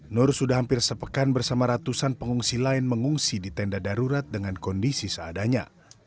nur sudah hampir sepekan bersama ratusan pengungsi lain mengungsi di tenda darurat dengan kondisi seadanya